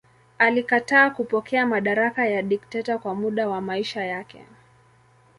Alikataa kupokea madaraka ya dikteta kwa muda wa maisha yake.